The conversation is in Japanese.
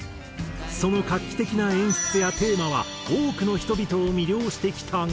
その画期的な演出やテーマは多くの人々を魅了してきたが。